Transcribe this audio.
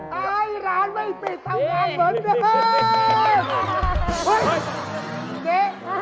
พี่เก๋พี่เก๋